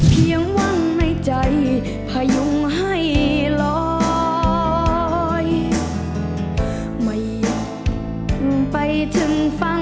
เพียงวังในใจพยุงให้ลอยไม่ยอมไปถึงฝั่ง